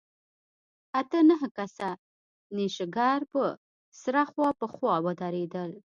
اته نه کسه نېشګر به سره خوا په خوا ودرېدل.